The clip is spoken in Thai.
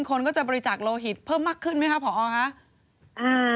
คนก็จะบริจาคโลหิตเพิ่มมากขึ้นไหมคะผอคะอืม